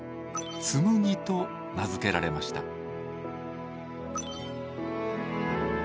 つむぎと名付けられました。